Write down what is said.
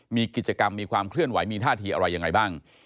มีกิจกรรมมีความเคลื่อนไหวมีท่าทีอะไรยังไงบ้าง